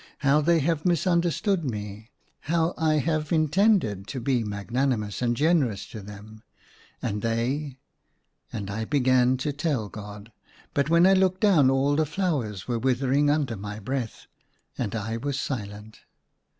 How they have misunderstood me. How I have intended to be magnani mous and generous to them, and they ." And I began to tell God ; but when I looked down all the flowers were withering under my breath, and I was silent.